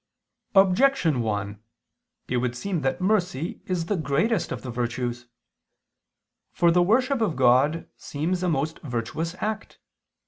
Objection 1: It would seem that mercy is the greatest of the virtues. For the worship of God seems a most virtuous act.